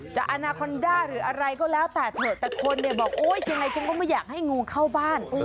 อนาคอนด้าหรืออะไรก็แล้วแต่เถอะแต่คนเนี่ยบอกโอ๊ยยังไงฉันก็ไม่อยากให้งูเข้าบ้าน